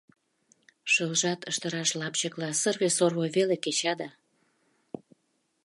Шылжат ыштыраш лапчыкла сырве-сорво веле кеча да...